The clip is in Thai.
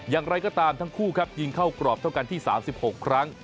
อย่างไรก็ตามทั้งคู่ครับยิงเข้ากรอบเท่ากันที่๓๖ครั้ง